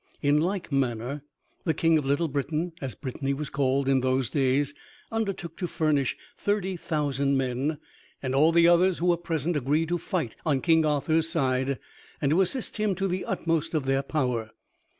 In like manner, the King of Little Britain, as Brittany was called in those days, undertook to furnish thirty thousand men; and all the others who were present agreed to fight on King Arthur's side, and to assist him to the utmost of their power.